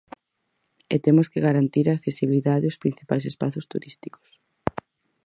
E temos que garantir a accesibilidade aos principais espazos turísticos.